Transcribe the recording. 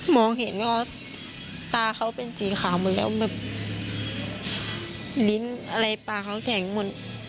มองเห็นก็ตาเขาเป็นสีขาวเหมือนกันแบบดิ้นอะไรปลาเขาแสงหมด